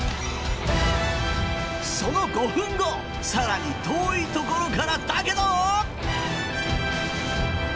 その５分後さらに遠いところからだけど！